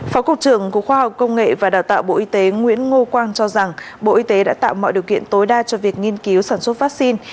phó cục trưởng cục khoa học công nghệ và đào tạo bộ y tế nguyễn ngô quang cho rằng bộ y tế đã tạo mọi điều kiện tối đa cho việc nghiên cứu sản xuất vaccine